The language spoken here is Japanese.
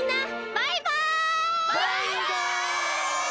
バイバイ！